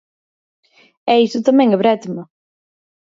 E iso tamén é brétema.